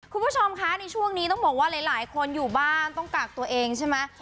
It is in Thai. คุณผู้ชมคะในช่วงนี้ต้องบอกว่าหลายคนอยู่บ้านต้องกากตัวเองใช่ไหม